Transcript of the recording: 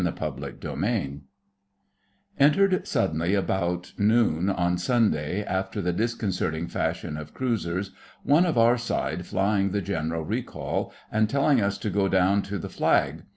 CHAPTER II Entered suddenly about noon on Sunday, after the disconcerting fashion of cruisers, one of our side flying the general recall, and telling us to go down to the Flag.